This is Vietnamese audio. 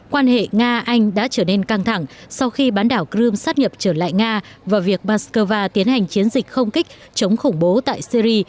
quan hệ nga anh đã trở nên căng thẳng sau khi bán đảo crimea sát nhập trở lại nga và việc moscow tiến hành chiến dịch không kích chống khủng bố tại syri